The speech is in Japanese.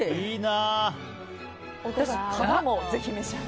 いいな。